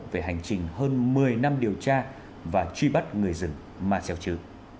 về hành trình hơn một mươi năm điều tra và truy bắt người rừng ma xeo chứ